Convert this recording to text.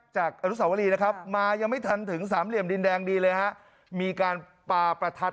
จากอนุสาวรีนะครับมายังไม่ทันถึงสามเหลี่ยมดินแดงดีเลยฮะมีการปาประทัด